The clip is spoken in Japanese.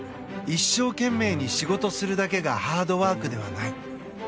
一生懸命に仕事するだけがハードワークではない。